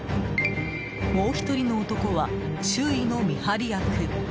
もう１人の男は周囲の見張り役。